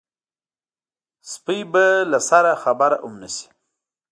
سپۍ به له سره خبره هم نه شي.